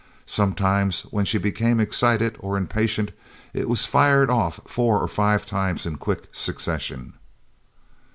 Sometimes, when she became excited or impatient, it was fired off four or five times in quick succession.